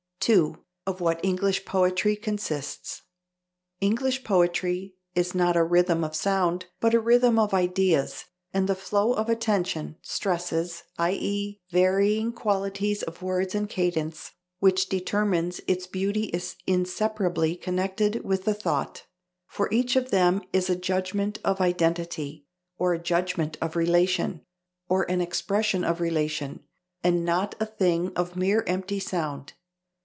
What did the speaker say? _" 2. Of what English poetry consists: "English poetry is not a rhythm of sound, but a rhythm of ideas, and the flow of attention stresses (i.e., varying qualities of words and cadence) which determines its beauty is inseparably connected with the thought; for each of them is a judgment of identity, or a judgment of relation, or an expression of relation, and not a thing of mere empty sound....